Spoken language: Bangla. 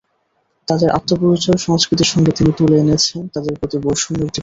তাদের আত্মপরিচয়, সংস্কৃতির সঙ্গে তিনি তুলে এনেছেন তাদের প্রতি বৈষম্যের দিকটিও।